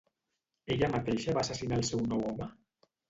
Ella mateixa va assassinar el seu nou home?